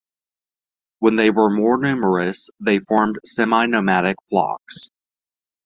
When they were more numerous they formed semi-nomadic flocks.